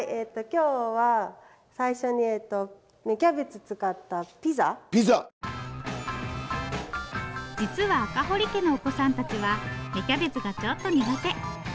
今日は最初に実は赤堀家のお子さんたちは芽キャベツがちょっと苦手。